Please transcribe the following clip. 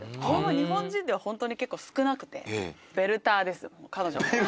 日本人では本当に結構少なくてベルターです彼女